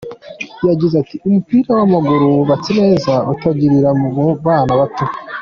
Yagize ati: “Umupira w’amaguru wubatse neza utangirira mua bana bato.